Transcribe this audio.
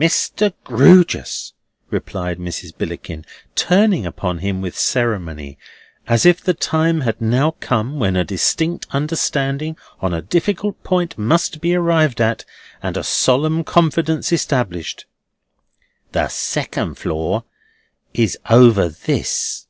"Mr. Grewgious," replied Mrs. Billickin, turning upon him with ceremony, as if the time had now come when a distinct understanding on a difficult point must be arrived at, and a solemn confidence established, "the second floor is over this."